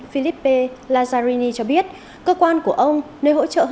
philippe lazzarini cho biết cơ quan của ông nơi hỗ trợ hơn tám trăm linh người di tản